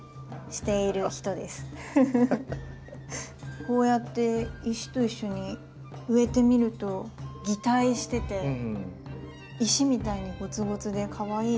こうやって石と一緒に植えてみると擬態してて石みたいにゴツゴツでかわいいです。